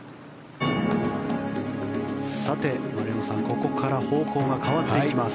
丸山さん、ここから方向が変わっていきます。